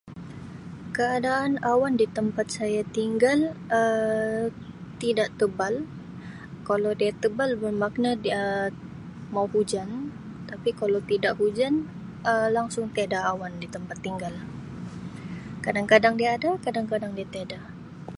Keadaan awan di tempat saya tinggal Um tidak tebal kalau dia tebal bermakna dia mau hujan tapi kalau tidak hujan Um langsung tiada awan di tempat tinggal kadang-kadang dia ada kadang-kadang dia tiada.